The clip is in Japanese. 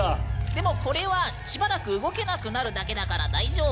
でもこれはしばらく動けなくなるだけだから大丈夫。